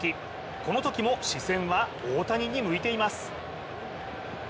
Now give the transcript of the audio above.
このときも視線は大谷に向いています。